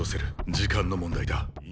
時間の問題だ。